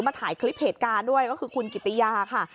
ถ่ายคลิปเหตุการณ์ด้วยก็คือคุณกิติยาค่ะ